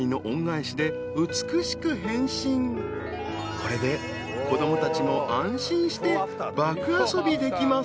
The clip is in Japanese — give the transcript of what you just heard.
［これで子供たちも安心して爆遊びできます］